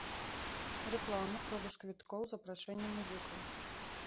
Рэклама, продаж квіткоў, запрашэнне музыкаў.